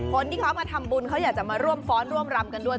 คนที่เขามาทำบุญเขาอยากจะมาร่วมฟ้อนร่วมรำกันด้วย